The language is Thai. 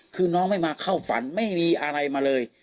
คือน้องไม่มาเข้าฝันไม่มีอะไรมาเลย